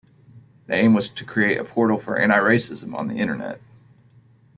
The aim was to create a portal for anti-racism on Internet.